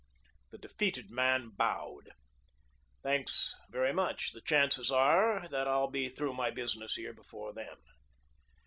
The defeated man bowed. "Thanks very much. The chances are that I'll be through my business here before then."